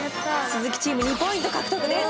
鈴木チーム２ポイント獲得です。